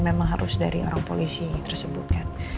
memang harus dari orang polisi tersebut kan